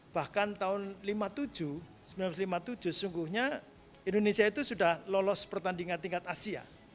bahkan tahun seribu sembilan ratus lima puluh tujuh sejujurnya indonesia itu sudah lolos pertandingan tingkat asia